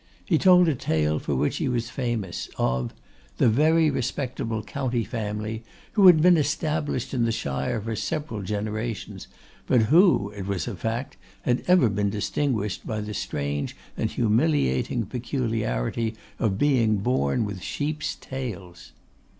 He told a tale for which he was famous, of 'the very respectable county family who had been established in the shire for several generations, but who, it was a fact, had been ever distinguished by the strange and humiliating peculiarity of being born with sheep's tails.